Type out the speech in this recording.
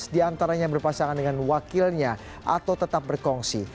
empat belas diantaranya berpasangan dengan wakilnya atau tetap berkongsi